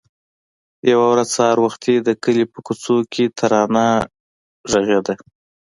يوه ورځ سهار وختي د کلي په کوڅو کې ترانه غږېدله.